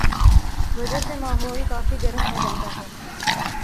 وجہ سے ماحول کافی گرم ہوجاتا ہے